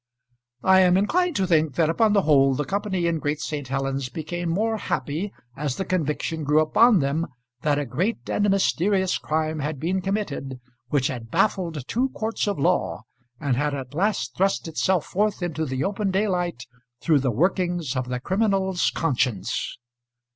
I am inclined to think, that upon the whole the company in Great St. Helen's became more happy as the conviction grew upon them that a great and mysterious crime had been committed, which had baffled two courts of law, and had at last thrust itself forth into the open daylight through the workings of the criminal's conscience.